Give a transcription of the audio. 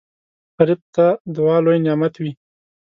غریب ته دعا لوی نعمت وي